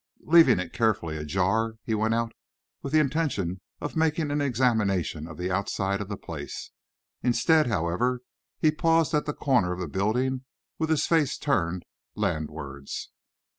Leaving it carefully ajar, he went out with the intention of making an examination of the outside of the place. Instead, however, he paused at the corner of the building with his face turned landwards.